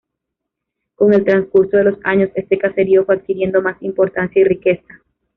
Con el transcurso de los años este caserío fue adquiriendo más importancia y riqueza.